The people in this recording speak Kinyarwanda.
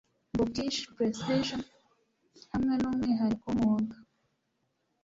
Bookish precision hamwe numwihariko wumwuga